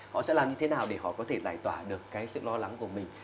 họ sẽ làm như thế nào để họ có thể giải tỏa được cái sự lo lắng của mình